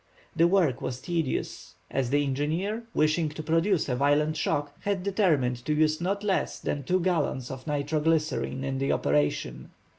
The work was tedious, as the engineer, wishing to produce a violent shock, had determined to use not less than two gallons of nitro glycerine in the operation.